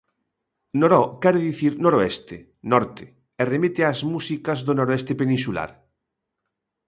Noró quere dicir noroeste, norte, e remite ás músicas do noroeste peninsular.